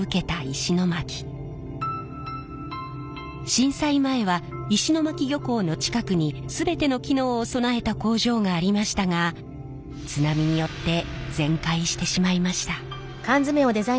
震災前は石巻漁港の近くに全ての機能を備えた工場がありましたが津波によって全壊してしまいました。